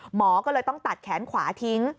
หมอก็เลยต้องตัดแขนขวาทิ้ง